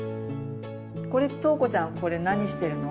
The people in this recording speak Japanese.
これとうこちゃんこれ何してるの？